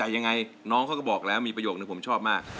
ยังไงน้องเขาก็บอกแล้วมีประโยคนึงผมชอบมาก